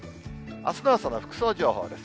あすの朝の服装情報です。